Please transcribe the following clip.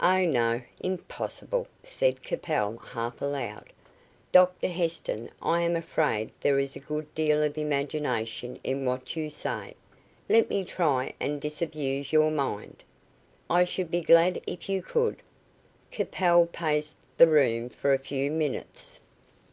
"Oh, no; impossible," said Capel, half aloud. "Dr Heston, I am afraid there is a good deal of imagination in what you say. Let me try and disabuse your mind." "I should be glad if you could." Capel paced the room for a few minutes.